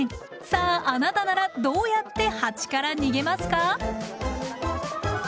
さああなたならどうやってハチから逃げますか？